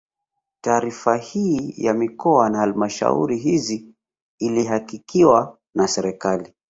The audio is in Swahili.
Taarifa hii ya mikoa na halmashauri hizi ilihakikiwa na serikali